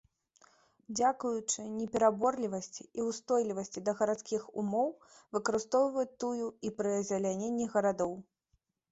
Дзякуючы непераборлівасці і ўстойлівасці да гарадскіх умоў выкарыстоўваюць тую і пры азеляненні гарадоў.